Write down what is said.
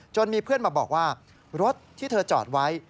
มีเพื่อนมาบอกว่ารถที่เธอจอดไว้